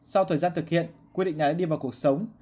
sau thời gian thực hiện quy định nhà đã đi vào cuộc sống